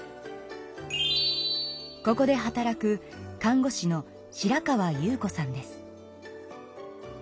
ここで働く看護師の白川優子さんです。